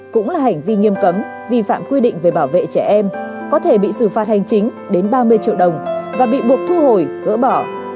cũng là hành vi nghiêm cấm vi phạm quy định về bảo vệ trẻ em có thể bị xử phạt hành chính đến ba mươi triệu đồng và bị buộc thu hồi gỡ bỏ